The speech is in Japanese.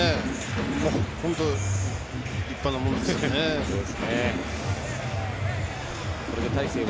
本当、立派なもんですね。